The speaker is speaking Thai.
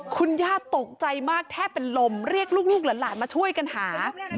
คุณย่าตกใจมากแทบเป็นลมเรียกลูกหลานมาช่วยกันหา